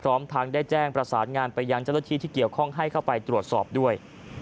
พร้อมทางได้แจ้งประสานงานไปยังเจ้าหน้าที่ที่เกี่ยวข้องให้เข้าไปตรวจสอบด้วย